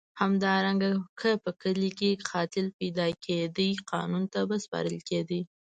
همدارنګه که په کلي کې قاتل پیدا کېده قانون ته به سپارل کېد.